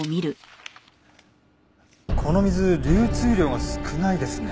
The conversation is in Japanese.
この水流通量が少ないですね。